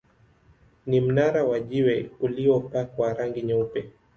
Ni mnara wa jiwe uliopakwa rangi nyeupe.